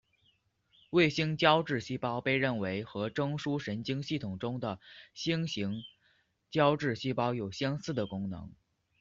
卫星胶质细胞被认为和中枢神经系统中的星型胶质细胞有相似的功能。